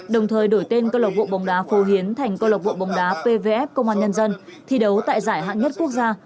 đồng thời đổi tên cơ lộc bộ bóng đá phô hiến thành cơ lộc bộ bóng đá pvf công an nhân dân thi đấu tại giải hạng nhất quốc gia